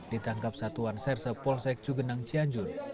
ditangkap satuan serse polsek cugenang cianjur